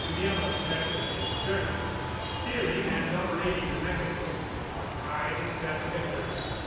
Miela sat in the stern, steering and operating the mechanism. I sat with her.